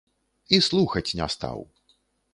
І слухаць не стаў.